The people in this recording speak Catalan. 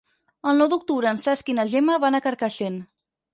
El nou d'octubre en Cesc i na Gemma van a Carcaixent.